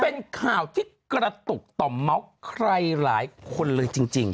เป็นข่าวที่กระตุกต่อเมาส์ใครหลายคนเลยจริง